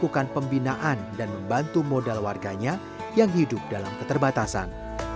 melakukan pembinaan dan membantu modal warganya yang hidup dalam keterbatasan